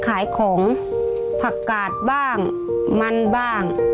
ขายของผักกาดบ้างมันบ้าง